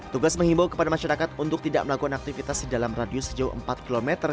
tugas mengimbau kepada masyarakat untuk tidak melakukan aktivitas di dalam radius sejauh empat km